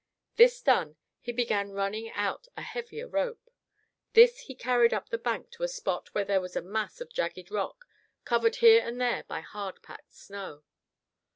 This done, he began running out a heavier rope. This he carried up the bank to a spot where there was a mass of jagged rock covered here and there by hard packed snow.